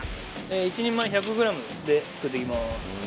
１人前１００ｇで作っていきます